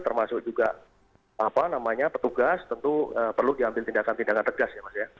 termasuk juga petugas tentu perlu diambil tindakan tindakan tegas